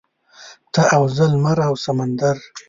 ته او زه لمر او سمندر.